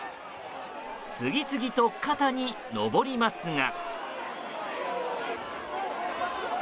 次々と肩に上りますが。